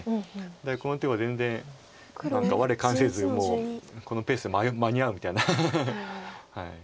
だけどこの手は全然我関せずもうこのペースで間に合うみたいな。